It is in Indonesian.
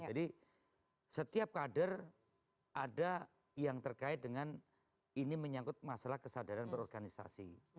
jadi setiap kader ada yang terkait dengan ini menyangkut masalah kesadaran berorganisasi